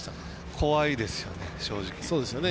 怖いですよね、正直。